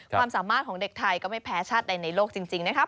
ความสามารถของเด็กไทยก็ไม่แพ้ชาติใดในโลกจริงนะครับ